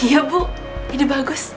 iya bu ini bagus